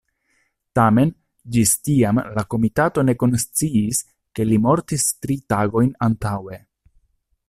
Tamen, ĝis tiam la komitato ne konsciis ke li mortis tri tagojn antaŭe.